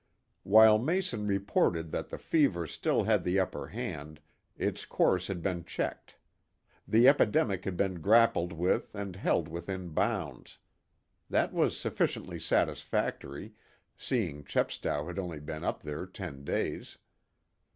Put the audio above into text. While Mason reported that the fever still had the upper hand, its course had been checked; the epidemic had been grappled with and held within bounds. That was sufficiently satisfactory, seeing Chepstow had only been up there ten days.